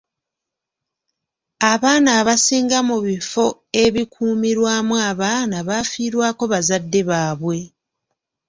Abaana abasinga mu bifo ebikuumirwamu abaana baafiirwako bazadde bwabwe.